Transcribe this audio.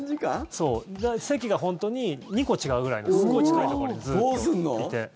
そう、席がほんとに２個違うぐらいですごい近いところにずっといて。